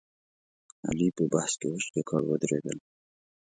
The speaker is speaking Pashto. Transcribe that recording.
علي په بحث کې وچ ککړ ودرېدل.